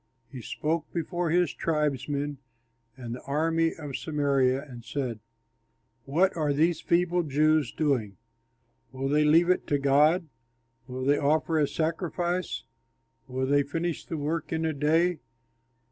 He spoke before his tribesmen and the army of Samaria and said, "What are these feeble Jews doing? Will they leave it to God? Will they offer a sacrifice? Will they finish the work in a day?